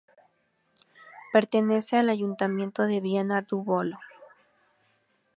Pertenece al ayuntamiento de Viana do Bolo.